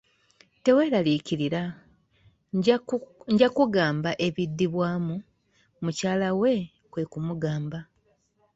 Tewelarikirira, ngya kkugamba ebidibwamu, mukyala we kwe kumugamba.